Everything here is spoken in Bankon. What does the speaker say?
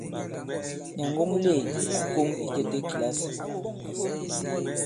Nyàŋgo muleèdì ǎ koŋ itētē kìlasì.